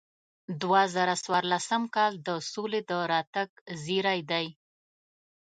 دوه زره څوارلسم کال د سولې د راتګ زیری دی.